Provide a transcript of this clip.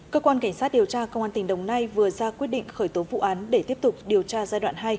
cơ quan cảnh sát điều tra công an tỉnh đồng nai vừa ra quyết định khởi tố vụ án để tiếp tục điều tra giai đoạn hai